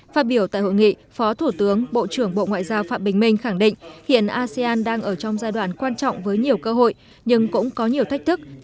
phát biểu tại hội nghị phó thủ tướng bộ trưởng bộ ngoại giao phạm bình minh khẳng định hiện asean đang ở trong giai đoạn quan trọng với nhiều cơ hội nhưng cũng có nhiều thách thức